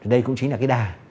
đây cũng chính là cái đà